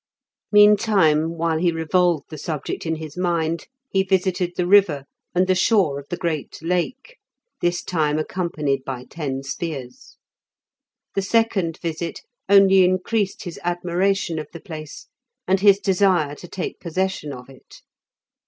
Meantime, while he revolved the subject in his mind, he visited the river and the shore of the great Lake, this time accompanied by ten spears. The second visit only increased his admiration of the place and his desire to take possession of it.